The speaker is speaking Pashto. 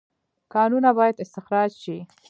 کانونه باید استخراج شي